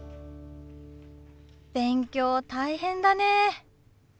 勉強大変だね。